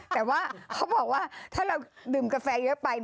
แต่ว่าเขาบอกว่าถ้าเราดื่มกาแฟเยอะไป